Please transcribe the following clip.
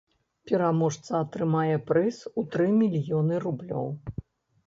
Пераможца атрымае прыз у тры мільёны рублёў.